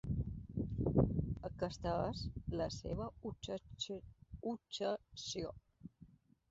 Aquesta és la seva obsessió.